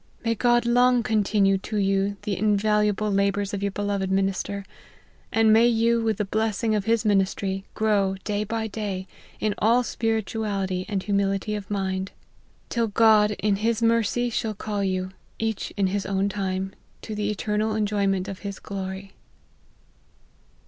May God long continue to you the invaluable la bours of your beloved minister ; and may you, with the blessing of his ministry, grow, day by day, in all spirituality and humility of mind ; till God, in LIFE OF HEN 7 RY MARTYN. 51 nis mercy, shall call you, each in his own time, to the eternal enjoyment of his glory."